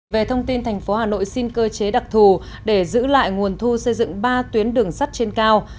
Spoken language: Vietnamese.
về thông tin thành phố hà nội xin cơ chế đặc thù để giữ lại nguồn thu xây dựng ba tuyến đường sắt trên cao